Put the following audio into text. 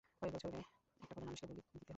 কয়েক বছরে একটা করে মানুষকে বলি দিতে হবে।